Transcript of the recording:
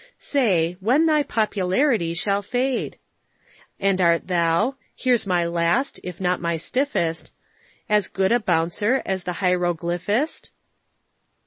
Say, when thy popularity shall fade? And art thou here's my last, if not my stiffest As good a bouncer as the hieroglyphist?